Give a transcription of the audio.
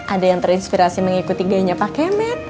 ada yang terinspirasi mengikuti gayanya pak kemen